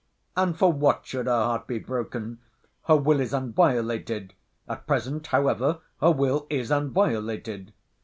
And for what should her heart be broken? Her will is unviolated;—at present, however, her will is unviolated.